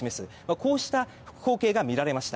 こうした光景が見られました。